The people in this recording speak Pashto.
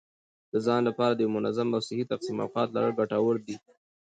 د ځان لپاره د یو منظم او صحي تقسیم اوقات لرل ګټور دي.